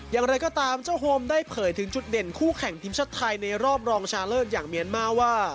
อย่างไรก็ตามเจ้าโฮมได้เผยถึงจุดเด่นคู่แข่งทีมชาติไทยในรอบรองชาเลิศอย่างเมียนมาว่า